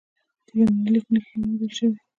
د یوناني لیک نښې هم موندل شوي